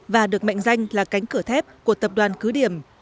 và được mệnh danh là cánh cửa thép của tập đoàn cứ điểm